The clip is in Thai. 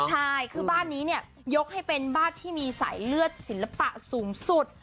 ใช่คือบ้านนี้เนี่ยยกให้เป็นบ้านที่มีสายเลือดศิลปะสูงสุด